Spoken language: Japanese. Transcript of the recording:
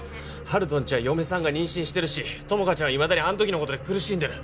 温人んちは嫁さんが妊娠してるし友果ちゃんはいまだにあん時のことで苦しんでる